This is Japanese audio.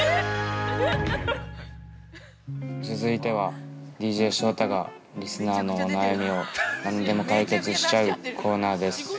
続いては、ＤＪショウタがリスナーのお悩みを何でも解決しちゃうコーナーです。